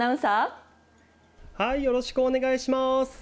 よろしくお願いします。